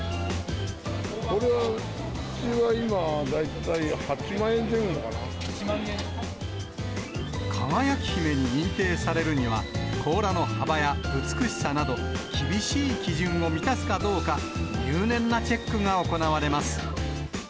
これは、うちは今、輝姫に認定されるには、甲羅の幅や美しさなど、厳しい基準を満たすかどうか、入念なチェックが行われます。